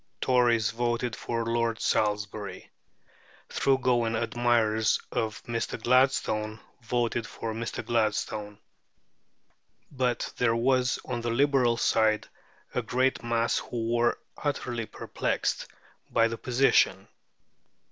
Tories voted for Lord Salisbury; thorough going admirers of Mr. Gladstone voted for Mr. Gladstone. But there was on the Liberal side a great mass who were utterly perplexed by the position.